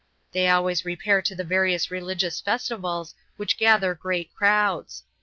They always repair to the various religious festivals, which gather great crowds.